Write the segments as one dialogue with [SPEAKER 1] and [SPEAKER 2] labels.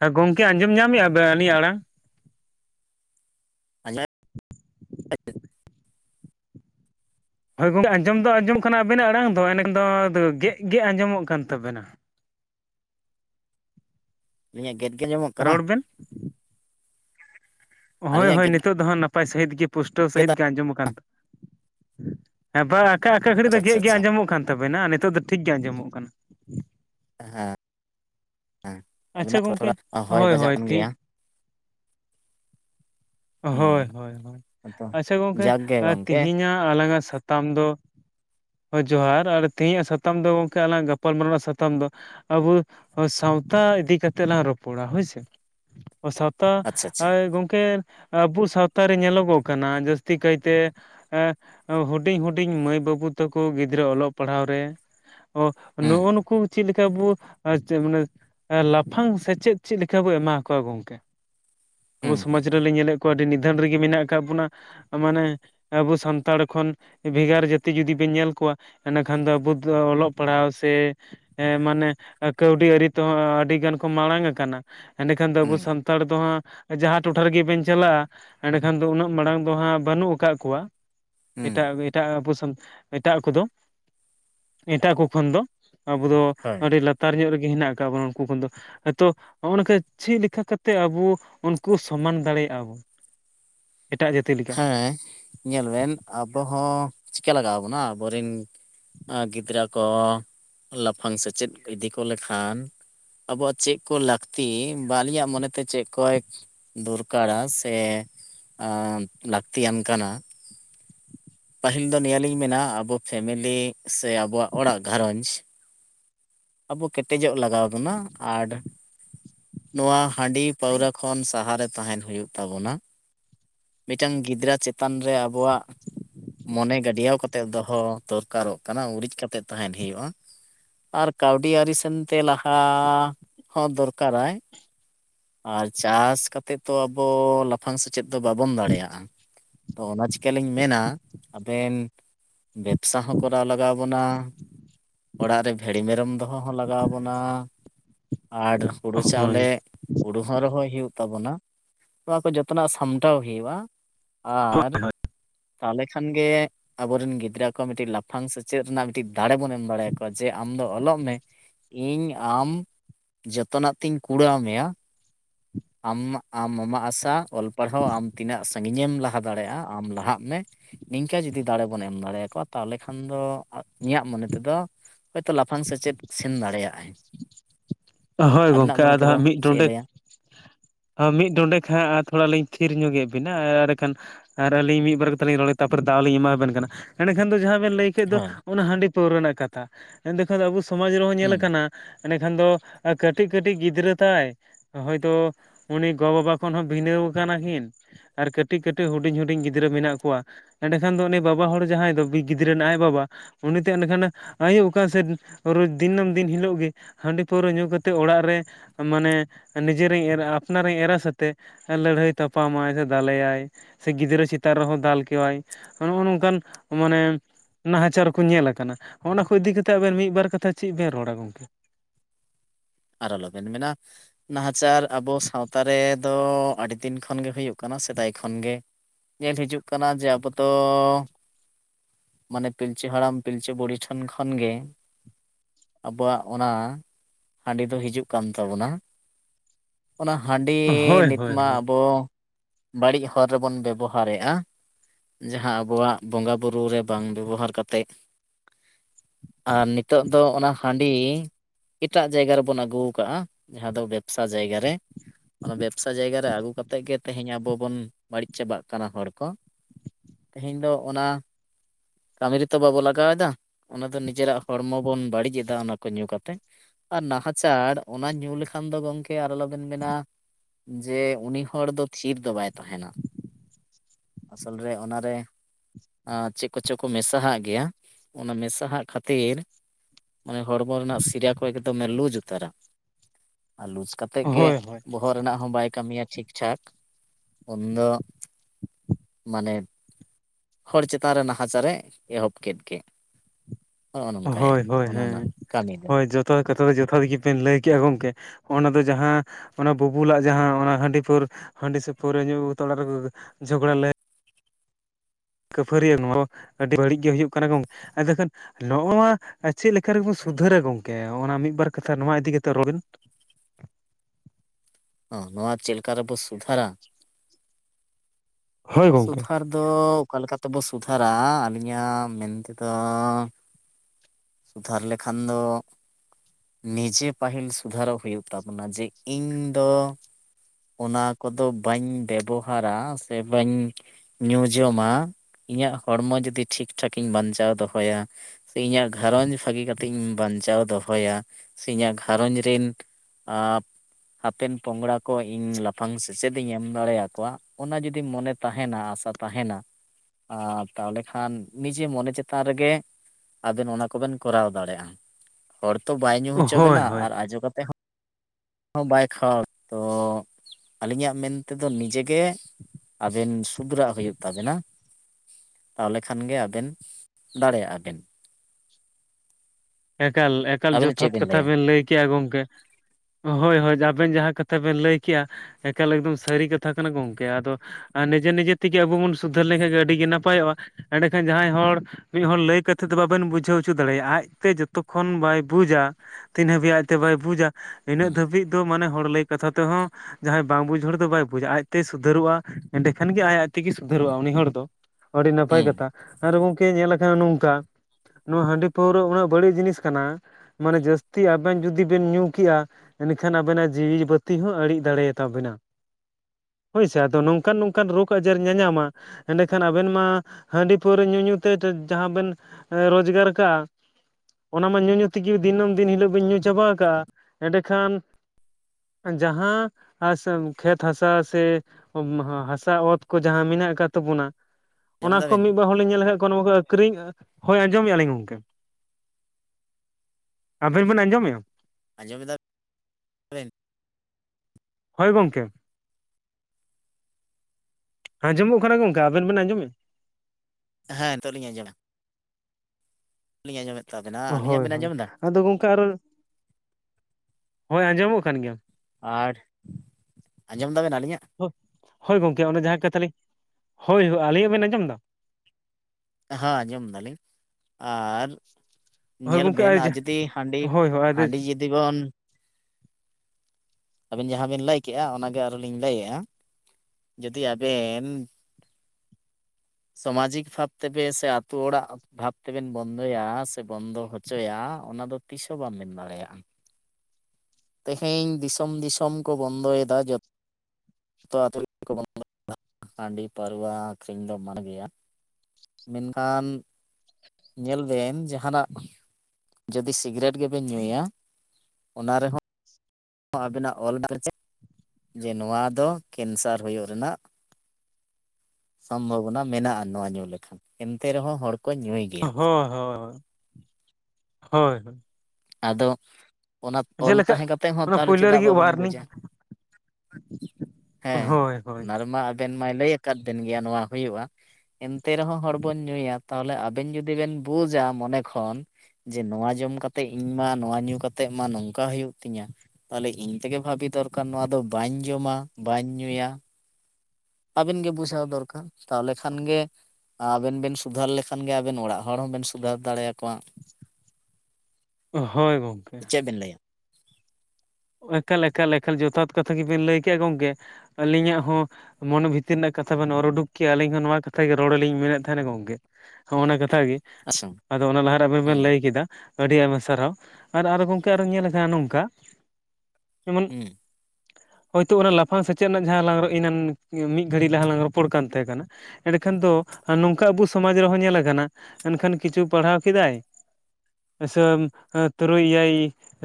[SPEAKER 1] ᱦᱮᱸ ᱜᱚᱢᱠᱮ ᱟᱸᱡᱚᱢ ᱢᱮᱜᱟ ᱵᱮᱱ ᱟᱹᱞᱤᱧᱟᱜ ᱟᱲᱟᱝ?
[SPEAKER 2] ᱟᱸᱡᱚᱢ [inaudible]
[SPEAKER 1] ᱦᱳᱭ ᱜᱚᱢᱠᱮ ᱟᱸᱡᱚᱢ ᱫᱚ ᱟᱸᱡᱚᱢᱚᱜ ᱠᱟᱱᱟ ᱟᱵᱮᱱᱟᱜ ᱟᱲᱟᱝ ᱫᱚ ᱮᱱᱮᱠ ᱫᱚ [unintelligible] ᱜᱮᱜ ᱜᱮᱜ ᱟᱸᱡᱚᱢᱚᱜ ᱠᱟᱱ ᱛᱟᱵᱮᱱᱟ᱾
[SPEAKER 2] ᱤᱧᱟᱜ ᱜᱮᱫ ᱜᱮ ᱟᱸᱡᱚᱢᱚᱜ ᱠᱟᱱᱟ?
[SPEAKER 1] ᱨᱚᱲ ᱵᱮᱱ ᱦᱳᱭ
[SPEAKER 2] ᱟᱹᱞᱤᱧᱟᱜ
[SPEAKER 1] ᱦᱳᱭ
[SPEAKER 2] ᱜᱮᱫ
[SPEAKER 1] ᱱᱤᱛᱚᱜ ᱫᱚ ᱦᱟᱸᱜ ᱱᱟᱯᱟᱭ ᱥᱟᱹᱦᱤᱫ ᱜᱮ ᱯᱩᱥᱴᱟᱹᱣ
[SPEAKER 2] ᱜᱮᱫ
[SPEAKER 1] ᱥᱟᱹᱦᱤᱫ ᱜᱮ ᱟᱹᱡᱚᱢᱚᱜ ᱠᱟᱱ ᱦᱮᱸ ᱵᱟᱝ ᱟᱠᱟ ᱟᱠᱟ ᱜᱷᱟᱹᱲᱤᱡ ᱫᱚ
[SPEAKER 2] ᱟᱪᱪᱷᱟ
[SPEAKER 1] ᱜᱮᱜ
[SPEAKER 2] ᱟᱪᱪᱷᱟ
[SPEAKER 1] ᱜᱮᱜ
[SPEAKER 2] ᱟᱪᱪᱷᱟ
[SPEAKER 1] ᱟᱸᱡᱚᱢᱚᱜ ᱠᱟᱱ ᱛᱟᱵᱮᱱᱟ ᱟ ᱱᱤᱛᱚᱜ ᱫᱚ ᱴᱷᱤᱠ ᱜᱮ ᱟᱸᱡᱚᱢᱚᱜ ᱠᱟᱱᱟ᱾
[SPEAKER 2] ᱦᱮᱸ ᱦᱮᱸ
[SPEAKER 1] ᱟᱪᱪᱷᱟ ᱜᱚᱝᱠᱮ
[SPEAKER 2] [unintelligible] ᱦᱚᱭ
[SPEAKER 1] ᱦᱳᱭ
[SPEAKER 2] ᱵᱟᱡᱟᱜ
[SPEAKER 1] ᱦᱳᱭ
[SPEAKER 2] ᱠᱟᱱ
[SPEAKER 1] ᱴᱷᱤᱠ
[SPEAKER 2] ᱜᱮᱭᱟ᱾
[SPEAKER 1] ᱦᱳᱭ
[SPEAKER 2] ᱦᱩᱸ
[SPEAKER 1] ᱦᱳᱭ
[SPEAKER 2] ᱛᱚ
[SPEAKER 1] ᱟᱪᱪᱷᱟ ᱜᱚᱢᱠᱮ,
[SPEAKER 2] ᱡᱟᱠ ᱜᱮ ᱜᱚᱝᱠᱮ
[SPEAKER 1] ᱛᱤᱦᱤᱧᱟᱜ ᱟᱞᱟᱝᱟᱜ ᱥᱟᱛᱟᱢ ᱫᱚ ᱦᱳᱭ ᱡᱚᱦᱟᱨ ᱟᱨ ᱛᱮᱦᱤᱧᱟᱜ ᱥᱟᱛᱟᱢ ᱫᱚ ᱜᱚᱢᱠᱮ ᱟᱞᱟᱝ ᱜᱟᱯᱟᱞ ᱢᱟᱨᱟᱣ ᱥᱟᱛᱟᱢ ᱫᱚ ᱟᱵᱚ ᱥᱟᱶᱛᱟ ᱤᱫᱤ ᱠᱟᱛᱮᱜ ᱞᱟᱝ ᱨᱚᱯᱚᱲᱟ ᱦᱳᱭ ᱥᱮ᱾ ᱥᱟᱶᱛᱟ
[SPEAKER 2] ᱟᱪᱪᱷᱟ ᱟᱪᱪᱷᱟ
[SPEAKER 1] ᱦᱳᱭ ᱜᱚᱢᱠᱮ ᱟᱵᱚ ᱥᱟᱶᱛᱟ ᱨᱮ ᱧᱮᱞᱚ ᱜᱚᱜ ᱠᱟᱱᱟ ᱡᱟᱹᱥᱛᱤ ᱠᱟᱭᱛᱮ ᱦᱮᱸ ᱦᱩᱰᱤᱧ ᱦᱩᱰᱤᱧ ᱢᱟᱹᱭ ᱵᱟᱹᱵᱩ ᱛᱟᱠᱚ ᱜᱤᱫᱽᱨᱟᱹ ᱚᱞᱚᱜ ᱯᱟᱲᱦᱟᱣ ᱨᱮ ᱚ
[SPEAKER 2] ᱦᱩᱸ
[SPEAKER 1] ᱱᱩᱜᱩ ᱱᱩᱠᱩ ᱪᱤᱞᱤᱠᱟ ᱵᱩ ᱟᱨ ᱪᱮᱜ ᱢᱟᱱᱮ ᱞᱟᱯᱷᱟᱝ ᱥᱮᱪᱮᱜ ᱪᱮᱜ ᱞᱮᱠᱟ ᱵᱚ ᱮᱢᱟ ᱠᱚᱣᱟ ᱜᱚᱝᱠᱮ? ᱟᱵᱚ
[SPEAKER 2] ᱦᱩᱸ ᱦᱩᱸ
[SPEAKER 1] ᱥᱚᱢᱟᱡᱽ ᱨᱮᱞᱮ ᱧᱮᱞᱮᱜ ᱠᱚᱣᱟ ᱟᱹᱰᱤ ᱱᱤᱫᱷᱟᱹᱱ ᱨᱮᱜᱮ ᱢᱮᱱᱟᱜ ᱟᱠᱟᱜ ᱵᱚᱱᱟ ᱢᱟᱱᱮ ᱟᱵᱚ ᱥᱟᱱᱛᱟᱲ ᱠᱷᱚᱱ ᱵᱷᱮᱜᱟᱨ ᱡᱟᱹᱛᱤ ᱡᱩᱫᱤ ᱵᱤᱱ ᱧᱮᱞ ᱠᱚᱣᱟ, ᱮᱱᱮᱠᱷᱟᱱ ᱫᱚ ᱟᱵᱩ ᱫᱚ ᱚᱞᱚᱜ ᱯᱟᱲᱦᱟᱣ ᱥᱮ ᱦᱮᱸ ᱢᱟᱱᱮ ᱠᱟᱹᱣᱰᱤ ᱟᱹᱨᱤ ᱛᱮᱦᱚᱸ ᱟᱹᱰᱤ ᱜᱟᱱ ᱠᱚ ᱢᱟᱲᱟᱝ ᱟᱠᱟᱱᱟ᱾ ᱮᱸᱰᱮᱠᱷᱟᱱ ᱫᱚ ᱟᱵᱚ
[SPEAKER 2] ᱦᱩᱸ
[SPEAKER 1] ᱥᱟᱱᱛᱟᱲ ᱫᱚ ᱦᱟᱸᱜ ᱡᱟᱦᱟᱸ ᱴᱚᱴᱷᱟ ᱨᱮᱜᱮ ᱵᱮᱱ ᱪᱟᱞᱟᱜᱼᱟ, ᱮᱸᱰᱮᱠᱷᱟᱱ ᱫᱚ ᱩᱱᱟᱹᱜ ᱢᱟᱲᱟᱝ ᱫᱚ ᱦᱟᱸᱜ ᱵᱟᱹᱱᱩᱜ ᱟᱠᱟᱜ ᱠᱚᱣᱟ,
[SPEAKER 2] ᱦᱩᱸ
[SPEAKER 1] ᱮᱴᱟᱜ ᱢᱤᱫ ᱮᱴᱟᱜ ᱟᱵᱚ ᱥᱟᱱ ᱮᱴᱟᱜ ᱠᱚᱫᱚ ᱮᱴᱟᱜ ᱠᱚ ᱠᱷᱚᱱ ᱫᱚ ᱟᱵᱚ ᱫᱚ
[SPEAKER 2] ᱦᱳᱭ
[SPEAKER 1] ᱟᱹᱰᱤ ᱞᱟᱛ ᱞᱟᱛᱟᱨ ᱧᱚᱜ ᱨᱮᱜᱤ ᱦᱮᱱᱟᱜ ᱟᱠᱟᱜ ᱵᱚᱱᱟ ᱩᱱᱠᱩ ᱠᱷᱚᱱ ᱫᱚ, ᱛᱚ ᱦᱚᱜᱚ ᱱᱚᱝᱠᱟ ᱪᱤᱜ ᱞᱮᱠᱟ ᱠᱟᱛᱮᱜ ᱟᱵᱩ ᱚᱱ ᱠᱩ ᱥᱚᱢᱟᱱ ᱫᱟᱲᱮᱭᱟᱜᱼᱟ ᱵᱚ ᱮᱴᱟᱜ ᱡᱟᱹᱛᱤ ᱞᱮᱠᱟ᱾
[SPEAKER 2] ᱦᱮᱸ ᱧᱮᱞ ᱵᱮᱱ ᱟᱵᱚ ᱦᱚᱸ ᱪᱤᱠᱟᱹ ᱞᱟᱜᱟᱣ ᱵᱚᱱᱟ ᱟᱵᱚᱨᱤᱱ ᱟ ᱜᱤᱫᱽᱨᱟᱹ ᱠᱚ ᱞᱟᱯᱷᱟᱝ ᱥᱮᱪᱮᱫ ᱤᱫᱤ ᱠᱚ ᱞᱮᱠᱷᱟᱱ ᱟᱵᱚᱣᱟᱜ ᱪᱮᱜ ᱠᱚ ᱞᱟᱠᱛᱤ, ᱵᱟ ᱟᱹᱞᱤᱧᱟᱜ ᱢᱚᱱᱮᱛᱮ ᱪᱮᱜ ᱠᱚᱭ ᱫᱚᱨᱠᱟᱨᱟ ᱥᱮ ᱟᱢ ᱞᱟᱹᱠᱛᱤᱭᱟᱱ ᱠᱟᱱᱟ ᱯᱟᱞᱤᱧ ᱫᱚ ᱱᱤᱭᱟᱹᱞᱤᱧ ᱢᱮᱱᱟ ᱟᱵᱚ ᱯᱷᱮᱢᱮᱞᱤ ᱥᱮ ᱟᱵᱚᱣᱟᱜ ᱚᱲᱟᱜ ᱜᱷᱟᱨᱚᱸᱡᱽ ᱟᱵᱚ ᱠᱮᱴᱮᱡᱚᱜ ᱞᱟᱜᱟᱣ ᱵᱚᱱᱟ ᱟᱨ ᱱᱚᱣᱟ ᱦᱟᱺᱰᱤ, ᱯᱟᱹᱣᱨᱟᱹ ᱠᱷᱚᱱ ᱥᱟᱦᱟᱨᱮ ᱛᱟᱦᱮᱱ ᱦᱩᱭᱩᱜ ᱛᱟᱵᱚᱱᱟ᱾ ᱢᱤᱜᱴᱟᱝ ᱜᱤᱫᱽᱨᱟᱹ ᱪᱮᱛᱟᱱ ᱨᱮ ᱟᱵᱚᱣᱟᱜ ᱢᱚᱱᱮ ᱜᱟᱹᱰᱭᱟᱹᱣ ᱠᱚᱛ ᱠᱟᱛᱮ ᱫᱚᱦᱚ ᱫᱚᱨᱠᱟᱨᱚᱜ ᱠᱟᱱᱟ ᱩᱨᱤᱡ ᱠᱟᱛᱮ ᱛᱟᱦᱮᱱ ᱦᱩᱭᱩᱜᱼᱟ ᱟᱨ ᱠᱟᱹᱣᱰᱤ ᱟᱹᱨᱤ ᱥᱮᱱ ᱛᱮ ᱞᱟᱦᱟ ᱦᱚᱸ ᱫᱚᱨᱠᱟᱨᱟᱭ ᱟᱨ ᱪᱟᱥ ᱠᱟᱛᱮᱫ ᱛᱚ ᱟᱵᱚ ᱞᱟᱯᱷᱟᱝ ᱥᱮᱪᱮᱫ ᱫᱚ ᱵᱟᱵᱚᱱ ᱫᱟᱲᱮᱭᱟᱜᱼᱟ ᱛᱚ ᱚᱱᱟ ᱪᱤᱠᱟᱹ ᱞᱤᱧ ᱢᱮᱱᱟ ᱟᱵᱮᱱ ᱵᱮᱵᱽᱥᱟ ᱦᱚᱸ ᱠᱚᱨᱟᱣ ᱞᱟᱜᱟᱣ ᱵᱚᱱᱟ ᱚᱲᱟᱜ ᱨᱮ ᱵᱷᱮᱲᱤ ᱢᱮᱨᱚᱢ ᱫᱚᱦᱚ ᱦᱚᱸ ᱞᱟᱜᱟᱣ ᱵᱚᱱᱟ ᱟᱨ ᱦᱳᱲᱳ
[SPEAKER 1] ᱦᱳᱭ
[SPEAKER 2] ᱪᱟᱣᱞᱮᱼᱼ ᱦᱩᱲᱩ ᱦᱚᱸ ᱨᱚᱦᱚᱭ ᱦᱩᱭᱩᱜ ᱛᱟᱵᱚᱱᱟ ᱱᱚᱣᱟ ᱠᱚ ᱡᱚᱛᱚᱱᱟᱜ ᱥᱟᱢᱴᱟᱣ ᱦᱩᱭᱩᱜᱼᱟ ᱟᱨ ᱛᱟᱦᱚᱞᱮ ᱠᱷᱟᱱ ᱜᱮ ᱟᱵᱚ ᱨᱮᱱ ᱜᱤᱫᱽᱨᱟᱹ ᱠᱚ ᱢᱤᱫᱴᱤᱡ ᱞᱟᱯᱷᱟᱝ ᱥᱮᱪᱮᱫ ᱨᱮᱱᱟᱜ ᱢᱤᱫᱴᱤᱡᱼᱼ ᱫᱟᱲᱮ ᱵᱚᱱ ᱮᱢ ᱫᱟᱲᱮᱭᱟ ᱠᱚᱣᱟ ᱡᱮ ᱟᱢ ᱫᱚ ᱚᱞᱚᱜ ᱢᱮ ᱤᱧ ᱟᱢ ᱡᱚᱛᱚᱱᱟᱜ ᱛᱤᱧ ᱠᱩᱲᱟᱹ ᱢᱮᱭᱟ ᱟᱢ ᱟᱢ ᱟᱢᱟᱜ ᱟᱥᱟ ᱚᱞ ᱯᱟᱲᱦᱟᱣ ᱟᱢ ᱛᱤᱱᱟᱹᱜ ᱥᱟᱺᱜᱤᱧ ᱮᱢ ᱞᱟᱦᱟ ᱫᱟᱲᱮᱭᱟᱜᱼᱟ ᱟᱢ ᱞᱟᱦᱟᱜ ᱢᱮ ᱱᱤᱝᱠᱟᱹ ᱡᱩᱫᱤ ᱫᱟᱲᱮ ᱵᱚᱱ ᱮᱢ ᱫᱟᱲᱮᱭᱟ ᱠᱚᱣᱟ ᱛᱟᱦᱚᱞᱮ ᱠᱷᱟᱱ ᱫᱚ ᱤᱧᱟᱜ ᱢᱚᱱᱮ ᱛᱮᱫᱚ ᱦᱚᱭᱛᱳ ᱞᱟᱯᱷᱟᱝ ᱥᱮᱪᱮᱫ ᱥᱮᱱ ᱫᱟᱲᱮᱭᱟᱜᱼᱟᱭ
[SPEAKER 1] ᱦᱳᱭ
[SPEAKER 2] ᱟᱵᱤᱱᱟᱜ
[SPEAKER 1] ᱜᱚᱝᱠᱮ
[SPEAKER 2] ᱢᱚᱱᱮ
[SPEAKER 1] ᱟᱫᱚ
[SPEAKER 2] ᱛᱮᱫᱚ
[SPEAKER 1] ᱦᱟᱸᱜ ᱢᱤᱫ
[SPEAKER 2] ᱪᱮᱫ
[SPEAKER 1] ᱱᱚᱸᱰᱮᱠ
[SPEAKER 2] [inaudible]
[SPEAKER 1] ᱦᱚᱸ ᱢᱤᱫ ᱰᱚᱸᱰᱮᱠ [unintelligible] ᱛᱷᱚᱲᱟ ᱞᱤᱧ ᱛᱷᱤᱨ ᱧᱚᱜᱮᱫ ᱵᱤᱱᱟ ᱟᱨ ᱮᱸᱰᱮ ᱠᱷᱟᱱ ᱟᱨ ᱟᱹᱞᱤᱧ ᱢᱤᱫ ᱵᱟᱨ ᱠᱟᱛᱷᱟ ᱞᱤᱧ ᱨᱚᱲ ᱛᱟᱯᱚᱨᱮ ᱫᱟᱣ ᱞᱤᱧ ᱮᱢᱟᱵᱮᱱ ᱠᱟᱱᱟ ᱮᱸᱰᱮ ᱠᱷᱟᱱ ᱫᱚ ᱡᱟᱦᱟᱸ ᱵᱮᱱ ᱞᱟᱹᱭᱼᱼ ᱠᱷᱮᱡ ᱫᱚ
[SPEAKER 2] ᱦᱳᱭ
[SPEAKER 1] ᱚᱱᱟ ᱦᱟᱺᱰᱤ ᱯᱟᱹᱣᱨᱟᱹ ᱨᱮᱱᱟᱜ ᱠᱟᱛᱷᱟ ᱮᱸᱰᱮᱠᱷᱟᱱ ᱟᱵᱚ ᱥᱚᱢᱟᱡᱽ ᱨᱮᱦᱚᱸ ᱧᱮᱞ
[SPEAKER 2] ᱦᱩᱸ
[SPEAKER 1] ᱠᱟᱱᱟ ᱮᱸᱰᱮᱠᱷᱟᱱ ᱫᱚᱼᱼ ᱟᱨ ᱠᱟᱹᱴᱤᱡ ᱠᱟᱹᱴᱤᱡ ᱜᱤᱫᱽᱨᱟᱹ ᱛᱟᱭ ᱦᱚᱭᱛᱚ ᱩᱱᱤ ᱜᱚ ᱵᱟᱵᱟ ᱠᱷᱚᱱ ᱦᱚᱸ ᱵᱷᱤᱸᱱᱟᱹ ᱟᱠᱟᱱᱟ ᱠᱤᱱ ᱟᱨ ᱠᱟᱹᱴᱤᱡ ᱠᱟᱹᱴᱤᱡ ᱦᱩᱰᱤᱧ ᱦᱩᱰᱤᱧ ᱜᱤᱫᱽᱨᱟᱹ ᱢᱮᱱᱟᱜ ᱠᱚᱣᱟ ᱮᱸᱰᱮ ᱠᱷᱟᱱ ᱫᱚ ᱩᱱᱤ ᱵᱟᱵᱟ ᱦᱚᱲ ᱡᱟᱦᱟᱸᱭ ᱫᱚ [unintelligible] ᱜᱤᱫᱽᱨᱟᱹ ᱟᱡ ᱵᱟᱵᱟᱼᱼ ᱩᱱᱤ ᱛᱮ ᱮᱱᱠᱷᱟᱱ ᱟᱭᱩ ᱚᱠᱟ ᱥᱮ [unintelligible] ᱫᱤᱱᱟᱹᱢ ᱫᱤᱱ ᱦᱤᱞᱳᱜ ᱜᱮ ᱦᱟᱺᱰᱤ ᱯᱟᱹᱣᱨᱟᱹ ᱧᱩ [unintelligible] [unintelligible] ᱚᱲᱟᱜ ᱨᱮ ᱢᱟᱱᱮ ᱱᱤᱡᱮᱨᱤᱧ ᱮᱨᱟ ᱟᱯᱱᱟᱨᱤᱧ ᱮᱨᱟ ᱥᱟᱛᱮᱜ ᱞᱟᱹᱲᱦᱟᱹᱭ ᱛᱟᱯᱟᱢᱟᱭ ᱥᱮ ᱫᱟᱞᱮᱭᱟᱭ ᱥᱮ ᱜᱤᱫᱽᱨᱟᱹ ᱪᱮᱛᱟᱱ ᱨᱮᱦᱚᱸ ᱫᱟᱞ ᱠᱮᱣᱟᱭ ᱱᱚᱜᱼᱚ ᱱᱚᱝᱠᱟᱱ ᱢᱟᱱᱮᱼᱼ ᱱᱟᱦᱟᱪᱟᱨ ᱠᱚ ᱧᱮᱞ ᱟᱠᱟᱱᱟᱜ ᱱᱚᱜᱱᱟ ᱠᱚ ᱤᱫᱤ ᱠᱟᱛᱮᱫ ᱟᱵᱮᱱ ᱢᱤᱫ ᱵᱟᱨ ᱠᱟᱛᱷᱟ ᱪᱮᱫ ᱵᱮᱱ ᱨᱚᱲᱟ ᱜᱚᱝᱠᱮ
[SPEAKER 2] ᱟᱨ ᱟᱞᱚᱵᱮᱱ ᱢᱮᱱᱟᱼᱼ ᱱᱟᱦᱟᱪᱟᱨ ᱟᱵᱚ ᱥᱟᱶᱛᱟ ᱨᱮᱫᱚ ᱟᱹᱰᱤ ᱫᱤᱱ ᱠᱷᱚᱱ ᱜᱮ ᱦᱩᱭᱩᱜ ᱠᱟᱱᱟ ᱥᱮᱫᱟᱭ ᱠᱷᱚᱱ ᱜᱮᱼᱼ ᱧᱮᱞ ᱦᱤᱡᱩᱜ ᱠᱟᱱᱟ ᱡᱮ ᱟᱵᱚ ᱫᱚᱼᱼ ᱢᱟᱱᱮ ᱯᱤᱞᱪᱩ ᱦᱟᱲᱟᱢ ᱯᱤᱞᱪᱩ ᱵᱩᱲᱦᱤ ᱴᱷᱮᱱ ᱠᱷᱚᱱ ᱜᱮᱼᱼ ᱟᱵᱚᱣᱟᱜ ᱚᱱᱟ ᱦᱟᱺᱰᱤ ᱫᱚ ᱦᱤᱡᱩᱜ ᱠᱟᱱ ᱛᱟᱵᱚᱱᱟ ᱚᱱᱟ ᱦᱟᱺᱰᱤ
[SPEAKER 1] ᱦᱳᱭ ᱦᱳᱭ
[SPEAKER 2] ᱱᱤᱛᱢᱟ
[SPEAKER 1] ᱦᱳᱭ
[SPEAKER 2] ᱟᱵᱚ ᱵᱟᱹᱲᱤᱡ ᱦᱚᱨ ᱨᱮᱵᱚᱱ ᱵᱮᱵᱚᱦᱟᱨᱮᱫᱼᱟ ᱡᱟᱦᱟᱸ ᱟᱵᱚᱣᱟᱜ ᱵᱚᱸᱜᱟ ᱵᱩᱨᱩ ᱨᱮ ᱵᱟᱝ ᱵᱮᱵᱚᱦᱟᱨ ᱠᱟᱛᱮᱫ ᱟᱨ ᱱᱤᱛᱚᱜ ᱫᱚ ᱚᱱᱟ ᱦᱟᱺᱰᱤᱼᱼ ᱮᱴᱟᱜ ᱡᱟᱭᱜᱟ ᱨᱮ ᱵᱚᱱ ᱟᱹᱜᱩ ᱟᱠᱟᱜᱼᱟ ᱡᱟᱦᱟᱸ ᱫᱚ ᱵᱮᱵᱽᱥᱟ ᱡᱟᱭᱜᱟ ᱨᱮ ᱚᱱᱟ ᱵᱮᱵᱽᱥᱟ ᱡᱟᱭᱜᱟ ᱨᱮ ᱟᱹᱜᱩ ᱠᱟᱛᱮᱫ ᱜᱮ ᱛᱮᱦᱮᱧ ᱟᱵᱚ ᱵᱚᱱ ᱵᱟᱹᱲᱤᱡ ᱪᱟᱵᱟᱜ ᱠᱟᱱᱟ ᱦᱚᱲ ᱠᱚᱼᱼ ᱛᱮᱦᱮᱧ ᱫᱚ ᱚᱱᱟᱼᱼ ᱠᱟᱹᱢᱤ ᱨᱮᱛᱚ ᱵᱟᱵᱚ ᱞᱟᱜᱟᱣ ᱮᱫᱟ ᱚᱱᱟ ᱫᱚ ᱱᱤᱡᱮᱨᱟᱜ ᱦᱚᱲᱢᱚ ᱵᱚᱱ ᱵᱟᱹᱲᱤᱡ ᱮᱫᱟ ᱚᱱᱟ ᱠᱚ ᱧᱩ ᱠᱟᱛᱮᱜ ᱟᱨ ᱱᱟᱦᱟᱪᱟᱨ ᱚᱱᱟ ᱧᱩ ᱞᱮᱠᱷᱟᱱ ᱫᱚ ᱜᱚᱢᱠᱮ ᱟᱨ ᱟᱞᱚᱵᱮᱱ ᱢᱮᱱᱟ ᱡᱮ ᱩᱱᱤ ᱦᱚᱲ ᱫᱚ ᱛᱷᱤᱨ ᱫᱚ ᱵᱟᱭ ᱛᱟᱦᱮᱱᱟ ᱟᱥᱚᱞ ᱨᱮ ᱚᱱᱟ ᱨᱮᱼᱼ ᱟᱨ ᱪᱮᱫ ᱠᱚᱪᱚ ᱠᱚ ᱢᱮᱥᱟᱦᱟᱜ ᱜᱮᱭᱟ ᱚᱱᱟ ᱢᱮᱥᱟᱦᱟᱜ ᱠᱷᱟᱹᱛᱤᱨ ᱢᱟᱱᱮ ᱦᱚᱲᱢᱚ ᱨᱮᱱᱟᱜ ᱥᱤᱨᱟ ᱠᱚ [unintelligible] ᱮᱠᱫᱚᱢᱮ ᱞᱩᱡᱽ ᱩᱛᱟᱹᱨᱟ, ᱟᱨ ᱞᱩᱡᱽ ᱠᱟᱛᱮᱮᱫ ᱜᱮ
[SPEAKER 1] ᱦᱳᱭ ᱦᱳᱭ
[SPEAKER 2] ᱵᱚᱦᱚᱜ ᱨᱮᱱᱟᱜ ᱦᱚᱸ ᱵᱟᱭ ᱠᱟᱹᱢᱤᱭᱟ᱾ ᱴᱷᱤᱠᱴᱷᱟᱠ ᱩᱱ ᱫᱚ ᱢᱟᱱᱮ ᱦᱚᱲ ᱪᱮᱛᱟᱱ ᱨᱮ ᱱᱟᱦᱟᱪᱟᱨᱮ ᱮᱦᱚᱵ ᱠᱮᱫ ᱜᱮ᱾ ᱦᱚᱸᱜ-ᱚ ᱱᱚᱝᱠᱟᱭᱟᱭ ᱚᱱᱟ ᱨᱮᱱᱟᱜ ᱠᱟᱹᱢᱤ ᱫᱚ᱾
[SPEAKER 1] ᱛᱚ ᱠᱟᱛᱷᱟ ᱫᱚ ᱡᱚᱛᱷᱟᱫ ᱜᱮᱛᱩᱧ ᱞᱟᱹᱭ ᱠᱮᱜ-ᱟ ᱜᱚᱝᱠᱮ᱾ ᱚᱱᱟ ᱫᱚ ᱡᱟᱦᱟᱸ ᱚᱱᱟ ᱵᱩᱵᱩᱞᱟᱜ ᱡᱟᱦᱟᱸ ᱚᱱᱟ ᱦᱟᱺᱰᱤ ᱯᱟᱹᱣᱨᱟᱹ ᱦᱟᱺᱰᱤ ᱥᱮ ᱯᱟᱹᱣᱨᱟᱹ ᱧᱩ ᱟᱹᱜᱩ ᱠᱟᱛᱮ ᱚᱲᱟᱜ ᱨᱮᱠᱚ ᱡᱷᱚᱜᱽᱲᱟ ᱞᱮ ᱠᱷᱟᱹᱯᱟᱹᱨᱤᱭᱟᱹ ᱱᱚᱣᱟ ᱟᱹᱰᱤ ᱵᱟᱹᱲᱤᱡ ᱜᱮ ᱦᱩᱭᱩᱜ ᱠᱟᱱᱟ ᱜᱚᱝ, ᱟᱫᱚ ᱠᱷᱟᱱ ᱱᱚᱣᱟ ᱪᱮᱫ ᱞᱮᱠᱟ ᱨᱮᱵᱚᱱ ᱥᱩᱫᱷᱟᱹᱨᱟ ᱜᱚᱝᱠᱮ? ᱦᱚᱸᱜ-ᱚᱱᱟ ᱢᱤᱫᱵᱟᱨ ᱠᱟᱛᱷᱟ ᱱᱚᱣᱟ ᱤᱫᱤ ᱠᱟᱛᱮᱫ ᱨᱚᱲ ᱵᱤᱱ᱾
[SPEAKER 2] ᱦᱮᱸ, ᱱᱚᱣᱟ ᱪᱮᱞᱮᱠᱟ ᱨᱮᱵᱚ ᱥᱩᱫᱷᱟᱹᱨᱟ?
[SPEAKER 1] [inaudible] ᱦᱳᱭ ᱜᱚᱝᱠᱮ
[SPEAKER 2] ᱥᱩᱫᱷᱟᱹᱨ ᱫᱚ ᱚᱠᱟ ᱞᱮᱠᱟ ᱛᱮᱵᱚ ᱥᱩᱫᱷᱟᱹᱨᱟ ᱟᱞᱤᱧᱟᱜ ᱢᱮᱱᱛᱮᱫᱚ ᱥᱩᱫᱷᱟᱹᱨ ᱞᱮᱠᱷᱟᱱ ᱫᱚ ᱱᱤᱡᱮ ᱯᱟᱹᱦᱤᱞ ᱥᱩᱫᱷᱟᱨᱚᱜ ᱦᱩᱭᱩᱜ ᱛᱟᱵᱚᱱᱟ ᱡᱮ ᱤᱧ ᱫᱚ ᱚᱱᱟ ᱠᱚᱫᱚ ᱵᱟᱹᱧ ᱵᱮᱵᱚᱦᱟᱨᱟ ᱥᱮ ᱵᱟᱹᱧ ᱧᱩ-ᱡᱚᱢᱟ, ᱤᱧᱟᱹᱜ ᱦᱚᱲᱢᱚ ᱡᱩᱫᱤ ᱴᱷᱤᱠ ᱴᱷᱟᱠᱤᱧ ᱵᱟᱧᱪᱟᱣ ᱫᱚᱦᱚᱭᱟ᱾ ᱥᱮ ᱤᱧᱟᱹᱜ ᱜᱷᱟᱨᱚᱸᱡᱽ ᱵᱷᱟᱹᱜᱤ ᱠᱟᱛᱤᱜ ᱵᱟᱧᱪᱟᱣ ᱫᱚᱦᱚᱭᱟ ᱥᱮ ᱤᱧᱟᱹᱜ ᱜᱷᱟᱨᱚᱸᱡᱽ ᱨᱤᱱ ᱟᱵ ᱦᱟᱯᱮᱱ ᱯᱚᱝᱲᱟ ᱠᱚ ᱤᱧ ᱞᱟᱯᱷᱟᱝ ᱥᱮᱪᱮᱫᱤᱧ ᱮᱢ ᱫᱟᱲᱮᱭᱟᱠᱚᱣᱟ ᱚᱱᱟ ᱡᱩᱫᱤ ᱢᱚᱱᱮ ᱛᱟᱸᱦᱮᱱᱟ, ᱟᱥᱟ ᱛᱟᱸᱦᱮᱱᱟ ᱟ, ᱛᱟᱦᱞᱮ ᱠᱷᱟᱱ ᱱᱤᱡᱮ ᱢᱚᱱᱮ ᱪᱮᱛᱟᱱ ᱨᱮᱜᱮ ᱟᱵᱮᱱ ᱚᱱᱟ ᱠᱚᱵᱮᱱ ᱠᱚᱨᱟᱣ ᱫᱟᱲᱮᱜ-ᱟ᱾ ᱦᱚᱲ ᱛᱚ ᱵᱟᱭ ᱧᱩ
[SPEAKER 1] ᱦᱳᱭ
[SPEAKER 2] ᱦᱚᱪᱚᱵᱮᱱᱟ
[SPEAKER 1] ᱦᱳᱭ
[SPEAKER 2] ᱟᱨ ᱟᱡᱚ ᱠᱟᱛᱮ ᱦᱚᱸ [inaudible] ᱦᱚᱸ ᱵᱟᱭ ᱠᱷᱟᱣᱟᱣ ᱛᱚ ᱟᱹᱞᱤᱧᱟᱜ ᱢᱮᱱᱛᱮᱫᱚ ᱱᱤᱡᱮᱜᱮ ᱟᱵᱮᱱ ᱥᱩᱫᱷᱨᱟᱹᱜ ᱦᱩᱭᱩᱜ ᱛᱟᱵᱮᱱᱟ᱾ ᱛᱟᱦᱞᱮ ᱠᱷᱟᱱ ᱜᱮ ᱟᱵᱮᱱ ᱫᱟᱲᱮᱭᱟᱜ-ᱟ ᱵᱮᱱ᱾
[SPEAKER 1] ᱮᱠᱟᱞ ᱮᱠᱟᱞ
[SPEAKER 2] ᱟᱵᱮᱱ ᱫᱚ ᱪᱮᱫ
[SPEAKER 1] ᱡᱚᱛᱷᱟᱛ ᱠᱟᱛᱷᱟ
[SPEAKER 2] ᱞᱟᱹᱭᱟ
[SPEAKER 1] ᱵᱮᱱ ᱞᱟᱹᱭ ᱠᱮᱜ-ᱟ ᱜᱚᱝᱠᱮ᱾ ᱦᱳᱭ ᱦᱳᱭ, ᱡᱟ ᱟᱵᱮᱱ ᱡᱟᱦᱟᱸ ᱠᱟᱛᱷᱟ ᱵᱮᱱ ᱞᱟᱹᱭ ᱠᱮᱜ-ᱟ ᱮᱠᱟᱞ ᱮᱠᱫᱚᱢ ᱥᱟᱹᱨᱤ ᱠᱟᱛᱷᱟ ᱠᱟᱱᱟ ᱜᱚᱝᱠᱮ ᱟᱫᱚ ᱟ ᱱᱤᱡᱮ ᱱᱤᱡᱮ ᱛᱮᱜᱮ ᱟᱵᱚ ᱵᱚᱱ ᱥᱩᱫᱷᱟᱹᱨ ᱞᱮᱱᱠᱷᱟᱡ ᱜᱮ ᱟᱹᱰᱤᱜᱮ ᱱᱟᱯᱟᱭᱚᱜ-ᱟ᱾ ᱮᱸᱰᱮᱠᱷᱟᱱ ᱡᱟᱦᱟᱸᱭ ᱦᱚᱲ ᱢᱤᱫ ᱦᱚᱲ ᱞᱟᱹᱭᱠᱟᱛᱮ ᱫᱚ ᱵᱟᱵᱮᱱ ᱵᱩᱡᱷᱟᱹᱣ ᱦᱚᱪᱚ ᱫᱟᱲᱮᱭᱟ ᱟᱡᱛᱮ ᱡᱚᱛ ᱛᱚᱠᱷᱚᱱ ᱵᱟᱭ ᱵᱩᱡᱟ, ᱛᱤᱱ ᱦᱟᱹᱵᱤᱡ ᱟᱡᱛᱮ ᱵᱟᱭ ᱵᱩᱡᱟ ᱤᱱᱟᱹᱜ
[SPEAKER 2] ᱦᱮᱸ
[SPEAKER 1] ᱫᱷᱟᱹᱵᱤᱡ ᱫᱚ ᱢᱟᱱᱮ ᱦᱚᱲ ᱞᱟᱹᱭ ᱠᱟᱛᱷᱟ ᱛᱮᱦᱚᱸ ᱡᱟᱦᱟᱸᱭ ᱵᱟᱝ ᱵᱩᱡᱽ ᱦᱚᱲ ᱫᱚ ᱵᱟᱭ ᱵᱩᱡᱟ᱾ ᱟᱡᱛᱮᱭ ᱥᱩᱫᱷᱟᱹᱨᱚᱜ-ᱟ ᱮᱸᱰᱮᱠᱷᱟᱱ ᱜᱮ ᱟᱡ ᱟᱡ ᱛᱮᱜᱮ‌ ᱥᱩ ᱫᱷᱟᱹᱨᱚᱜ-ᱟ ᱩᱱᱤ ᱦᱚᱲ ᱫᱚ, ᱟᱹᱰᱤ ᱱᱟᱯᱟᱭ
[SPEAKER 2] ᱦᱮᱸ
[SPEAKER 1] ᱠᱟᱛᱷᱟ᱾ ᱟᱨ ᱜᱚᱝᱠᱮ ᱧᱮᱞ ᱠᱟᱱᱟ ᱱᱚᱝᱠᱟ, ᱱᱚᱣᱟ ᱦᱟᱺᱰᱤ ᱯᱟᱹᱣᱨᱟᱹ ᱩᱱᱟᱹᱜ ᱵᱟᱹᱲᱤᱡ ᱡᱤᱱᱤᱥ ᱠᱟᱱᱟ ᱢᱟᱱᱮ ᱡᱟᱹᱥᱛᱤ ᱟᱵᱮᱱ ᱡᱩᱫᱤ ᱵᱤᱱ ᱧᱩ ᱠᱮᱜ-ᱟ ᱮᱱᱠᱷᱟᱱ ᱟᱵᱮᱱᱟᱜ ᱡᱤᱣᱤ ᱵᱟᱹᱛᱤ ᱦᱚᱸ ᱟᱹᱬᱤᱡ ᱫᱟᱲᱮᱭᱟᱛᱟᱵᱮᱱᱟ᱾ ᱦᱳᱭᱥᱮ, ᱟᱫᱚ ᱱᱚᱝᱠᱟᱱ ᱱᱚᱝᱠᱟᱱ ᱨᱳᱜᱽ ᱟᱡᱟᱨ ᱧᱟᱧᱟᱢᱟ ᱮᱸᱰᱮᱠᱷᱟᱱ ᱟᱵᱮᱱ ᱢᱟ ᱦᱟᱺᱰᱤ ᱯᱟᱹᱣᱨᱟᱹ ᱧᱩ-ᱧᱩ ᱛᱮ ᱡᱟᱦᱟᱸ ᱵᱮᱱ ᱮᱸ, ᱨᱳᱡᱽᱜᱟᱨ ᱠᱟᱜ-ᱟ ᱚᱱᱟ ᱢᱟ ᱧᱩ ᱧᱩ ᱛᱤᱜᱤ ᱫᱤᱱᱟᱹᱢ ᱫᱤᱱ ᱦᱤᱞᱳᱜ ᱵᱤᱱ ᱧᱩ ᱪᱟᱵᱟ ᱠᱟᱜ-ᱟ ᱮᱸᱰᱮᱠᱷᱟᱱ ᱡᱟᱦᱟᱸ ᱟᱥᱮᱢ ᱠᱷᱮᱛ ᱦᱟᱥᱟ ᱥᱮ ᱩᱢ ᱢᱟ, ᱦᱟᱥᱟ ᱚᱛ ᱠᱚ ᱡᱟᱦᱟᱸ ᱢᱮᱱᱟᱜ ᱠᱟᱜ ᱛᱟᱵᱚᱱᱟ
[SPEAKER 2] ᱟᱸᱡᱚᱢ
[SPEAKER 1] ᱚᱱᱟ ᱠᱚ
[SPEAKER 2] ᱫᱟᱵᱮᱱ
[SPEAKER 1] ᱢᱤᱜ ᱵᱟ ᱦᱚᱞᱤᱧ ᱧᱮᱞ ᱠᱟᱜ ᱠᱚᱶᱟ ᱱᱚᱶᱟ ᱠᱚ ᱟᱠᱷᱨᱤᱧ, ᱦᱳᱭ ᱟᱸᱡᱚᱢᱮᱜ-ᱟ ᱞᱤᱧ ᱜᱚᱝᱠᱮ᱾ ᱟᱵᱮᱱ ᱵᱮᱱ ᱟᱸᱡᱚᱢᱮᱭᱟ?
[SPEAKER 2] ᱟᱡᱸᱚᱢᱮᱫᱟ
[SPEAKER 1] ᱦᱳᱭ ᱜᱚᱝᱠᱮ᱾ ᱟᱸᱡᱚᱢᱚᱜ ᱠᱟᱱᱟ ᱜᱚᱝᱠᱮ, ᱟᱵᱮᱱ ᱵᱮᱱ ᱟᱸᱡᱚᱢᱮᱜ-ᱟ?
[SPEAKER 2] ᱦᱮᱸ ᱱᱤᱛᱚᱜ ᱞᱤᱧ ᱟᱸᱡᱚᱢᱟ᱾ ᱞᱤᱧ ᱟᱡᱚᱢᱮᱫ ᱛᱟᱵᱤᱱᱟ᱾
[SPEAKER 1] ᱦᱳᱭ ᱦᱳᱭ ᱟᱫᱚ ᱜᱚᱝᱠᱮ ᱟᱨᱚ- ᱦᱳᱭ ᱟᱡᱚᱢᱚᱜ ᱠᱟᱱ ᱜᱮᱭᱟ᱾
[SPEAKER 2] ᱟᱨ ᱟᱡᱚᱢ ᱫᱟᱵᱮᱱ ᱟᱞᱤᱧᱟᱜ?
[SPEAKER 1] ᱦᱳ ᱦᱳᱭ ᱜᱚᱝᱠᱮ ᱚᱱᱮ ᱡᱟᱦᱟᱸ ᱠᱟᱛᱷᱟ ᱞᱤᱧ -ᱦᱳᱭ ᱦᱳ ᱟᱞᱤᱧᱟᱜ ᱵᱤᱱ ᱟᱡᱚᱢ ᱫᱟ?
[SPEAKER 2] ᱦᱟᱸ ᱟᱡᱚᱢ ᱫᱟᱞᱤᱧ ᱟᱨ
[SPEAKER 1] ᱦᱳᱭ
[SPEAKER 2] ᱧᱮᱞ
[SPEAKER 1] ᱜᱚᱝᱠᱮ
[SPEAKER 2] ᱵᱮᱱ ᱟᱨ ᱡᱩᱫᱤ ᱦᱟᱸᱰᱤ
[SPEAKER 1] ᱦᱳᱭ ᱦᱳᱭ ᱟᱫᱚ
[SPEAKER 2] ᱦᱟᱸᱰᱤ ᱡᱩᱫᱤ ᱵᱚᱱ ᱟᱵᱤᱱ ᱡᱟᱦᱟᱸ ᱵᱤᱱ ᱞᱟᱹᱭ ᱠᱮᱜᱼᱟ ᱚᱱᱟᱜᱮ ᱟᱨᱚ ᱞᱤᱧ ᱞᱟᱹᱭᱟ, ᱡᱩᱫᱤ ᱟᱵᱮᱱ ᱥᱟᱢᱟᱡᱤᱠ ᱵᱷᱟᱵ ᱛᱮᱵᱮ ᱥᱮ ᱟᱛᱩ ᱚᱲᱟᱜ ᱵᱷᱟᱵ ᱛᱮᱵᱮᱱ ᱵᱚᱱᱫᱚᱭᱟ ᱥᱮ ᱵᱚᱱᱫᱚ ᱦᱚᱪᱚᱭᱟ, ᱚᱱᱟ ᱫᱚ ᱛᱤᱥᱦᱚᱸ ᱵᱟᱢ ᱢᱮᱱ ᱫᱟᱲᱮᱭᱟᱜᱼᱟ᱾ ᱛᱮᱦᱮᱧ ᱫᱤᱥᱚᱢ ᱫᱤᱥᱚᱢ ᱠᱚ ᱵᱚᱱᱫᱚ ᱭᱮᱫᱟ ᱡᱚ ᱛᱚ ᱟᱛᱩ ᱨᱮᱠᱚ ᱵᱚᱱ ᱫᱚᱭ ᱫᱟ ᱦᱟᱺᱰᱤ ᱯᱟᱹᱨᱣᱟ ᱟᱹᱠᱷᱨᱤᱧ ᱫᱚ ᱢᱟᱱᱟ ᱜᱮᱭᱟ᱾ ᱢᱮᱱᱠᱷᱟᱱ ᱧᱮᱞ ᱵᱮᱱ ᱡᱟᱦᱟᱸᱱᱟᱜ ᱡᱩᱫᱤ ᱥᱤᱜᱨᱮᱴ ᱜᱮᱵᱮᱱ ᱧᱩᱭᱟ ᱚᱱᱟ ᱨᱮᱦᱚᱸ ᱟᱵᱮᱱᱟᱜ ᱚᱞ [unintelligible] ᱡᱮ ᱱᱚᱣᱟ ᱫᱚ ᱠᱮᱱᱥᱟᱨ ᱦᱩᱭᱩᱜ ᱨᱮᱱᱟᱜ ᱥᱚᱢᱵᱷᱚᱵᱚᱱᱟ ᱢᱮᱱᱟᱜᱼᱟ ᱱᱚᱣᱟ ᱧᱩ ᱞᱮᱠᱷᱟᱱ, ᱮᱱᱛᱮ ᱨᱮᱦᱚᱸ ᱦᱚᱲ ᱠᱚ ᱧᱩᱭ
[SPEAKER 1] ᱦᱳ
[SPEAKER 2] ᱜᱮᱭᱟ
[SPEAKER 1] ᱦᱳᱭ ᱦᱳᱭ ᱦᱳᱭ᱾
[SPEAKER 2] ᱟᱫᱚ ᱚᱱᱟ ᱛᱚᱞ
[SPEAKER 1] ᱡᱮᱞᱮᱠᱟ
[SPEAKER 2] ᱛᱟᱦᱮᱸ ᱠᱟᱛᱮᱫ ᱦᱚᱸ
[SPEAKER 1] ᱚᱱᱟ
[SPEAKER 2] ᱛᱟᱦᱚᱞᱮ
[SPEAKER 1] ᱯᱳᱭᱞᱳ
[SPEAKER 2] ᱪᱮᱫᱟᱜ
[SPEAKER 1] ᱨᱮᱜᱮ
[SPEAKER 2] ᱵᱟᱵᱚᱱ
[SPEAKER 1] ᱳᱣᱟᱨᱱᱤᱝ
[SPEAKER 2] ᱵᱩᱡᱟ? ᱦᱮᱸ
[SPEAKER 1] ᱦᱳᱭ ᱦᱳᱭ
[SPEAKER 2] ᱚᱱᱟ ᱨᱮᱢᱟ ᱟᱵᱮᱱ ᱢᱟᱭ ᱞᱟᱹᱭ ᱠᱟᱫ ᱵᱮᱱ ᱜᱮᱭᱟ ᱱᱚᱣᱟ ᱦᱩᱭᱩᱜᱼᱟ, ᱮᱱᱛᱮ ᱨᱮᱦᱚᱸ ᱦᱚᱲ ᱵᱚᱱ ᱧᱩᱭᱟ ᱛᱟᱦᱚᱞᱮ ᱟᱵᱮᱱ ᱡᱩᱫᱤ ᱵᱮᱱ ᱵᱩᱡᱟ ᱢᱚᱱᱮ ᱠᱷᱚᱱ, ᱡᱮ ᱱᱚᱣᱟ ᱡᱚᱢ ᱠᱟ ᱛᱮᱜ ᱤᱧ ᱢᱟ ᱱᱚᱣᱟ ᱧᱩ ᱠᱟᱛᱮ ᱢᱟ ᱱᱚᱝᱠᱟ ᱦᱩᱭᱩᱜ ᱛᱤᱧᱟᱹ ᱛᱟᱦᱚᱞᱮ ᱤᱧ ᱛᱮᱜᱮ ᱵᱷᱟᱵᱤ ᱫᱚᱨᱠᱟᱨ ᱱᱚᱣᱟ ᱫᱚ ᱵᱟᱹᱧ ᱡᱚᱢᱟ ᱵᱟᱹᱧ ᱧᱩᱭᱟ᱾ ᱟᱹᱵᱤᱱ ᱜᱮ ᱵᱩᱡᱷᱟᱹᱣ ᱫᱚᱨᱠᱟᱨ ᱛᱟᱦᱚᱞᱮ ᱠᱷᱟᱱ ᱜᱮ ᱟᱵᱮᱱ ᱵᱮᱱ ᱥᱩᱫᱷᱟᱹᱨ ᱞᱮᱠᱷᱟᱱ ᱜᱮ ᱟᱵᱮᱱ ᱚᱲᱟᱜ ᱦᱚᱲ ᱦᱚᱸ ᱵᱮᱱ ᱥᱩᱫᱷᱟᱹᱨ ᱫᱟᱲᱮ ᱭᱟᱠᱚᱣᱟ᱾
[SPEAKER 1] ᱦᱳᱭ ᱜᱚᱝᱠᱮ᱾
[SPEAKER 2] ᱪᱮᱫ ᱵᱮᱱ ᱞᱟᱹᱭᱟ
[SPEAKER 1] ᱮᱠᱟᱞ ᱮᱠᱟᱞ ᱮᱠᱟᱞ ᱡᱚᱛᱷᱟᱛ ᱠᱟᱛᱷᱟ ᱜᱮ ᱵᱤᱱ ᱞᱟᱹᱭ ᱠᱮᱜᱼᱟ ᱜᱚᱢᱠᱮ ᱟᱹᱞᱤᱧᱟᱜ ᱦᱚᱸ ᱢᱚᱱᱮ ᱵᱷᱤᱛᱤᱨ ᱨᱮᱱᱟᱜ ᱠᱟᱛᱷᱟ ᱵᱮᱱ ᱚᱨ ᱩᱰᱩᱠ ᱠᱮᱜᱼᱟ ᱟᱹᱞᱤᱧ ᱦᱚᱸ ᱱᱚᱣᱟ ᱠᱟᱛᱷᱟ ᱜᱮ ᱨᱚᱲ ᱞᱤᱧ ᱢᱮᱱᱮᱫ ᱛᱟᱦᱮᱸᱱᱟ ᱜᱚᱢᱠᱮ᱾ ᱦᱚᱸ ᱱᱟ ᱠᱟᱛᱷᱟ ᱜᱮ
[SPEAKER 2] ᱦᱮᱸ ᱥᱮ ᱵᱟᱝ
[SPEAKER 1] ᱟᱫᱚ ᱚᱱᱟ ᱞᱟᱦᱟ ᱨᱮ ᱟᱵᱮᱱ ᱵᱮᱱ
[SPEAKER 2] ᱦᱩᱸ
[SPEAKER 1] ᱞᱟᱹᱭ ᱠᱮᱫᱟ᱾ ᱟᱹᱰᱤ ᱟᱭᱢᱟ ᱥᱟᱨᱦᱟᱣ ᱟᱨ ᱟᱨᱚ ᱜᱚᱢᱠᱮ ᱟᱨᱚ ᱧᱮᱞ ᱟᱠᱟᱱᱟ ᱱᱚᱝᱠᱟ ᱡᱮᱢᱚᱱ
[SPEAKER 2] ᱦᱩᱸ
[SPEAKER 1] ᱦᱳᱭᱛᱳ ᱚᱱᱟ ᱞᱟᱯᱷᱟ ᱥᱮᱪᱮᱫ ᱨᱮᱱᱟᱜ ᱡᱟᱦᱟᱸ ᱞᱟᱝ ᱤᱱᱟᱝ ᱢᱤᱫ ᱜᱷᱟᱹᱲᱤᱡ ᱞᱟᱦᱟ ᱞᱟᱝ ᱨᱚᱯᱚᱲ ᱠᱟᱱ ᱛᱟᱦᱮᱸ ᱠᱟᱱᱟ, ᱮᱸᱰᱮᱠᱷᱟᱱ ᱫᱚ ᱱᱚᱝᱠᱟ ᱟᱵᱚ ᱥᱚᱢᱟᱡᱽ ᱨᱮᱦᱚᱸ ᱧᱮᱞ ᱠᱟᱱᱟ ᱮᱱᱠᱷᱟᱱ ᱠᱤᱪᱷᱩ ᱯᱟᱲᱦᱟᱣ ᱠᱮᱫᱟᱭ ᱥᱮ ᱛᱩᱨᱩᱭ ᱮᱭᱟᱭ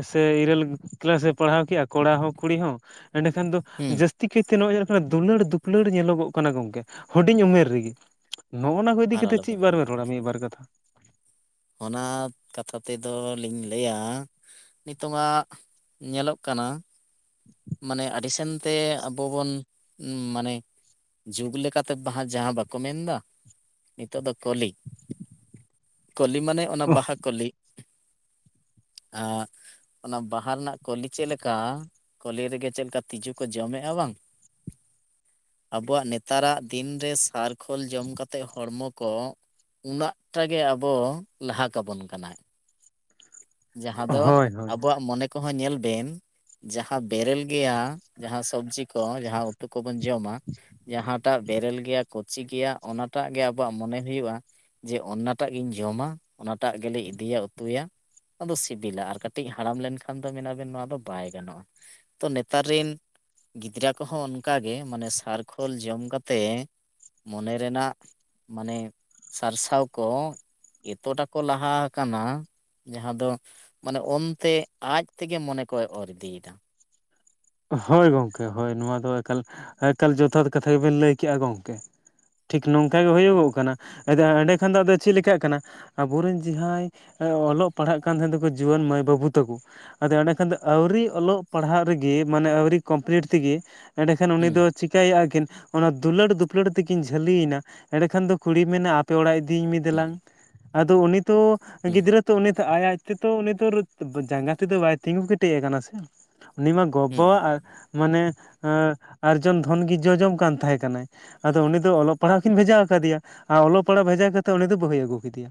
[SPEAKER 1] ᱥᱮ ᱤᱨᱟᱹᱞ ᱠᱮᱞᱟᱥ ᱮ ᱯᱟᱲᱦᱟᱣ ᱠᱮᱜᱼᱟ ᱠᱚᱲᱟ ᱦᱚᱸ ᱠᱩᱲᱤ ᱦᱚᱸ ᱮᱱᱮᱠᱷᱟᱱ ᱫᱚ
[SPEAKER 2] ᱦᱩᱸ
[SPEAKER 1] ᱡᱟᱹᱥ ᱛᱤ ᱠᱮᱛᱨᱮ ᱱᱚᱸᱜᱼᱚᱭ ᱫᱩᱞᱟᱹᱲ ᱫᱩᱯᱩᱞᱟᱹᱲ ᱧᱮᱞᱚᱜᱚᱜ ᱠᱟᱱᱟ ᱜᱚᱢᱠᱮ ᱦᱩᱰᱤᱧ ᱩᱢᱮᱨ ᱨᱮᱜᱮ᱾ ᱱᱚᱸᱜᱼᱱᱟ ᱠᱚ ᱤᱫᱤ
[SPEAKER 2] ᱟᱨ
[SPEAKER 1] ᱠᱟᱛᱮᱫ ᱪᱮᱫ
[SPEAKER 2] ᱟᱞᱚᱵᱮᱱ
[SPEAKER 1] ᱵᱟᱨ
[SPEAKER 2] ᱢᱮᱱᱟ
[SPEAKER 1] ᱵᱮᱱ ᱨᱚᱲᱟ ᱢᱤᱫᱵᱟᱨ ᱠᱟᱛᱷᱟ?
[SPEAKER 2] ᱚᱱᱟ ᱠᱟᱛᱷᱟ ᱛᱮᱫᱚ ᱞᱤᱧ ᱞᱟᱹᱭᱟ ᱱᱤᱛᱚᱜᱟᱜ ᱧᱮᱞᱚᱜ ᱠᱟᱱᱟ ᱢᱟᱱᱮ ᱟᱹᱰᱤ ᱥᱮᱱ ᱛᱮ ᱟᱵᱚ ᱵᱚᱱ ᱢᱟᱱᱮ ᱡᱩᱜᱽ ᱞᱮᱠᱟᱛᱮ ᱵᱟᱦᱟ ᱡᱟᱦᱟᱸ ᱵᱟᱠᱚ ᱢᱮᱱᱫᱟ ᱱᱤᱛᱚᱜ ᱫᱚ ᱠᱚᱞᱤ, ᱠᱚᱞᱤ ᱢᱟᱱᱮ ᱚᱱᱟ ᱵᱟᱦᱟ ᱠᱚᱞᱤ᱾ ᱟ ᱚᱱᱟ ᱵᱟᱦᱟ ᱨᱮᱱᱟᱜ ᱠᱚᱞᱤ ᱪᱮᱫ ᱞᱮᱠᱟ, ᱠᱚᱞᱤ ᱨᱮᱜᱮ ᱪᱮᱫ ᱞᱮᱠᱟ ᱛᱤᱡᱩ ᱠᱚ ᱡᱚᱢᱮᱫᱼᱟ ᱵᱟᱝ, ᱟᱵᱚᱣᱟᱜ ᱱᱮᱛᱟᱨᱟᱜ ᱫᱤᱱ ᱨᱮ ᱥᱟᱨᱠᱷᱳᱞ ᱡᱚᱢ ᱠᱟᱛᱮᱫ ᱦᱚᱲᱢᱚ ᱠᱚ ᱩᱱᱟᱹᱜ ᱴᱟ ᱜᱮ ᱟᱵᱚ ᱞᱟᱦᱟ ᱠᱟᱵᱚᱱ ᱠᱟᱱᱟ ᱡᱟᱦᱟᱸ ᱫᱚ
[SPEAKER 1] ᱦᱳᱭ ᱦᱳᱭ
[SPEAKER 2] ᱟᱵᱚᱣᱟᱜ ᱢᱚᱱᱮ ᱠᱚᱦᱚᱸ ᱧᱮᱞ ᱵᱮᱱ ᱡᱟᱦᱟᱸ ᱵᱮᱨᱮᱞ ᱜᱮᱭᱟ ᱡᱟᱦᱟᱸ ᱥᱚᱵᱽᱡᱤ ᱠᱚ ᱡᱟᱦᱟᱸ ᱩᱛᱩ ᱠᱚᱵᱚᱱ ᱡᱚᱢᱟ ᱡᱟᱦᱟᱸ ᱮᱴᱟᱜ ᱵᱮᱨᱮᱞ ᱜᱮᱭᱟ ᱠᱚᱪᱤ ᱜᱮᱭᱟ ᱚᱱᱟᱴᱟᱜ ᱜᱮ ᱟᱵᱚᱣᱟᱜ ᱢᱚᱱᱮ ᱦᱩᱭᱩᱜᱼᱟ ᱡᱮ ᱚᱱᱟᱴᱟᱜ ᱜᱤᱧ ᱡᱚᱢᱟ ᱚᱱᱟᱴᱟᱜ ᱜᱮᱞᱮ ᱤᱫᱤᱭᱟ ᱩᱛᱩᱭᱟ ᱚᱱᱟ ᱫᱚ ᱥᱤᱵᱤᱞᱟ ᱟᱨ ᱠᱟᱹᱴᱤᱡ ᱦᱟᱲᱟᱢ ᱞᱮᱱᱠᱷᱟᱱ ᱫᱚ ᱢᱮᱱᱟ ᱵᱮᱱ ᱱᱚᱣᱟ ᱫᱚ ᱵᱟᱭ ᱜᱟᱱᱚᱜᱼᱟ ᱛᱚ ᱱᱮᱛᱟᱨ ᱨᱤᱱ ᱜᱤᱫᱽᱨᱟᱹ ᱠᱚᱦᱚᱸ ᱚᱱᱠᱟᱜᱮ ᱢᱟᱱᱮ ᱥᱟᱨᱠᱷᱳᱞ ᱡᱚᱢ ᱠᱟᱛᱮᱫ ᱢᱚᱱᱮ ᱨᱮᱱᱟᱜ ᱢᱟᱱᱮ ᱥᱟᱨᱥᱟᱣ ᱠᱚ ᱮᱛᱚᱴᱟ ᱠᱚ ᱞᱟᱦᱟ ᱟᱠᱟᱱᱟ ᱡᱟᱦᱟᱸ ᱫᱚ ᱢᱟᱱᱮ ᱚᱱᱛᱮ ᱟᱡ ᱛᱮᱜᱮ ᱢᱚᱱᱮ ᱠᱚᱭ ᱚᱨ ᱤᱫᱤᱭᱮᱫᱟ ᱾
[SPEAKER 1] ᱦᱳᱭ ᱜᱚᱢᱠᱮ ᱦᱳᱭ ᱱᱚᱣᱟ ᱫᱚ ᱮᱠᱟᱞ ᱮᱠᱟᱞ ᱡᱚᱛᱷᱟᱛ ᱠᱟᱛᱷᱟ ᱜᱮᱵᱮᱱ ᱞᱟᱹᱭ ᱠᱮᱜᱼᱟ ᱜᱚᱢᱠᱮ, ᱴᱷᱤᱠ ᱱᱚᱝᱠᱟ ᱜᱮ ᱦᱩᱭᱩᱜᱚᱜ ᱠᱟᱱᱟ ᱮᱸᱰᱮ ᱠᱷᱚᱱ ᱫᱚ ᱟᱫᱚ ᱪᱮᱫ ᱪᱮᱠᱟᱜ ᱠᱟᱱᱟ ᱟᱵᱚ ᱨᱮᱱ ᱡᱟᱦᱟᱸᱭ ᱚᱞᱚᱜ ᱯᱟᱲᱦᱟᱜ ᱠᱟᱱ ᱛᱟᱦᱮᱸ ᱫᱚᱠᱚ ᱡᱩᱣᱟᱹᱱ ᱢᱟᱹᱭ ᱵᱟᱹᱵᱩ ᱛᱟᱠᱚ ᱟᱫᱚ ᱮᱸᱰᱮ ᱠᱷᱟᱱ ᱫᱚ ᱟᱹᱣᱨᱤ ᱚᱞᱚᱜ ᱯᱟᱲᱦᱟᱜ ᱨᱮᱜᱤ ᱢᱟᱱᱮ ᱟᱹᱣᱨᱤ ᱠᱚᱢᱯᱞᱤᱴ ᱛᱤᱜᱤ ᱮᱸᱰᱮᱠᱷᱟᱱ ᱩᱱᱤ ᱫᱚ
[SPEAKER 2] ᱦᱩᱸ
[SPEAKER 1] ᱪᱤᱠᱟᱹᱭᱮᱫᱼᱟ ᱠᱤᱱ ᱚᱱᱟ ᱫᱩᱞᱟᱹᱲ ᱫᱩᱯᱞᱟᱹᱲ ᱛᱮᱠᱤᱱ ᱡᱷᱟᱹᱞᱤᱭᱮᱱᱟ ᱮᱸᱬᱮᱠᱷᱟᱱ ᱫᱚ ᱠᱩᱲᱤᱭ ᱢᱮᱱᱟ ᱟᱯᱮ ᱚᱲᱟᱜ ᱤᱫᱤᱭᱤᱧ ᱢᱮ
[SPEAKER 2] ᱦᱩᱸ
[SPEAKER 1] ᱫᱮᱞᱟᱝ ᱟᱫᱚ ᱩᱱᱤ ᱛᱚ
[SPEAKER 2] ᱦᱩᱸ
[SPEAKER 1] ᱜᱤᱫᱽᱨᱟᱹ ᱛᱚ ᱩᱱᱤ ᱛᱚ ᱟᱡ ᱟᱡᱛᱮᱫᱚ ᱩᱱᱤ ᱫᱚ ᱡᱟᱸᱜᱟ ᱛᱮᱫᱚ ᱵᱟᱭ ᱛᱤᱸᱜᱩ ᱠᱮᱴᱮᱡ ᱟᱠᱟᱱᱟ ᱥᱮ ᱩᱱᱤ ᱢᱟ ᱜᱚ
[SPEAKER 2] ᱦᱩᱸ ᱦᱩᱸ
[SPEAKER 1] ᱵᱟᱵᱟᱣᱟᱜ ᱢᱟᱱᱮ ᱟᱨᱡᱚᱱ ᱫᱷᱚᱱ ᱜᱮ ᱡᱚᱡᱚᱢ ᱠᱟᱱ ᱛᱟᱦᱮᱸ ᱠᱟᱱᱟᱭ ᱟᱫᱚ ᱩᱱᱤ ᱫᱚ ᱚᱞᱚᱜ ᱯᱟᱲᱦᱟᱜ ᱠᱤᱱ ᱵᱷᱮᱡᱟ ᱟᱠᱟᱫᱮᱭᱟ ᱟᱨ ᱚᱞᱚᱜ ᱯᱟᱲᱦᱟᱜ ᱵᱷᱮᱡᱟ ᱠᱟᱛᱮᱫ ᱩᱱᱤ ᱫᱚ ᱵᱟᱹᱦᱩᱭ ᱟᱹᱜᱩ ᱠᱮᱫᱮᱭᱟ,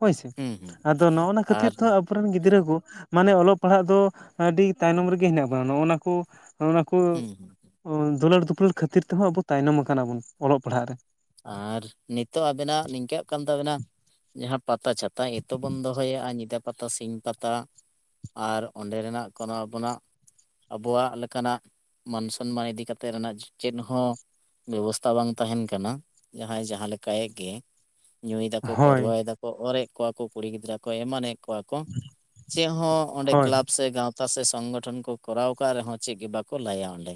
[SPEAKER 1] ᱦᱳᱭᱥᱮ
[SPEAKER 2] ᱦᱩᱸ ᱦᱩᱸ
[SPEAKER 1] ᱟᱫᱚ ᱱᱚᱜᱱᱟ ᱠᱷᱟᱹᱛᱤᱨ
[SPEAKER 2] ᱟᱨ
[SPEAKER 1] ᱛᱚ ᱟᱵᱚᱨᱮᱱ ᱜᱤᱫᱽᱨᱟᱹ ᱠᱩ ᱢᱟᱱᱮ ᱚᱞᱚᱜ ᱯᱟᱲᱦᱟᱜ ᱫᱚ ᱟᱹᱰᱤ ᱛᱟᱭᱱᱚᱢ ᱨᱮᱜᱮ ᱦᱮᱱᱟᱜ ᱵᱚᱱᱟ ᱱᱚᱜᱱᱟ ᱠᱩ ᱠᱩ
[SPEAKER 2] ᱦᱩᱸ ᱦᱩᱸ
[SPEAKER 1] ᱫᱩᱞᱟᱹᱲ ᱫᱩᱯᱩᱞᱟᱹᱲ ᱠᱷᱟᱹᱛᱤᱨ ᱛᱮᱦᱚᱸ ᱟᱵᱩ ᱛᱟᱭᱱᱚᱢ ᱟᱠᱟᱱᱟ ᱵᱩᱱ ᱚᱞᱚᱜ ᱯᱟᱲᱦᱟᱜ ᱨᱮ,
[SPEAKER 2] ᱟᱨ ᱱᱤᱛᱚᱜ ᱟᱵᱮᱱᱟᱜ ᱱᱤᱝᱠᱟᱜ ᱠᱟᱱ ᱛᱟᱵᱮᱱᱟ ᱡᱟᱦᱟᱸ ᱯᱟᱛᱟ ᱪᱷᱟᱛᱟ ᱮᱸᱛᱚ ᱵᱚᱱ ᱫᱚᱦᱚᱭᱟ ᱟᱨ ᱧᱤᱫᱟᱹ ᱯᱟᱛᱟ, ᱥᱤᱧ ᱯᱟᱛᱟ ᱟᱨ ᱚᱸᱰᱮ ᱨᱮᱱᱟᱜ ᱠᱚᱱᱚ ᱟᱵᱚᱱᱟᱜ ᱟᱵᱚᱣᱟᱜ ᱞᱮᱠᱟᱱᱟᱜ ᱢᱟᱱ ᱥᱚᱱᱢᱟᱱ ᱤᱫᱤ ᱠᱟᱛᱮᱫ ᱨᱮᱱᱟᱜ ᱪᱮᱱᱫ ᱦᱚᱸ ᱵᱮᱵᱚᱥᱛᱷᱟ ᱵᱟᱝ ᱛᱟᱦᱮᱱ ᱠᱟᱱᱟ ᱡᱟᱦᱟᱸᱭ ᱡᱟᱦᱟᱸ ᱞᱮᱠᱟᱭ ᱜᱮ ᱧᱩᱭ ᱫᱟᱠᱚ
[SPEAKER 1] ᱦᱳᱭ
[SPEAKER 2] ᱯᱟᱹᱨᱣᱟᱹᱭ ᱫᱟᱠ ᱚᱨᱮᱜ ᱠᱚᱣᱟ ᱠᱚ ᱠᱩᱲᱤ ᱜᱤᱫᱽᱨᱟᱹ ᱠᱚ ᱮᱢᱟᱱᱮᱫ ᱠᱚᱣᱟ ᱠᱚ ᱪᱮ ᱦᱚᱸ ᱚᱸᱰᱮ
[SPEAKER 1] ᱦᱳᱭ
[SPEAKER 2] ᱠᱞᱟᱵᱽ ᱥᱮ ᱜᱟᱶᱛ ᱛᱟ ᱥᱮ ᱥᱚᱝᱜᱚᱴᱷᱚᱱ ᱠᱚ ᱠᱚᱨᱟᱣ ᱠᱟ ᱨᱮᱦᱚᱸ ᱪᱮ ᱜᱮ ᱵᱟᱠᱚ ᱞᱟᱹᱭᱟ ᱚᱸᱰᱮ,